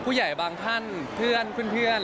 ผู้ใหญ่บางท่านเพื่อนคุณเพื่อน